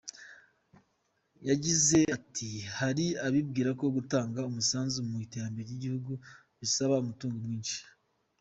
Yagize ati “Hari abibwira ko gutanga umusanzu mu iteramber ry’igihugu bisaba umutungo mwinshi.